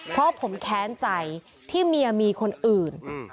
เพราะผมแค้นใจที่เมียมีคนอื่น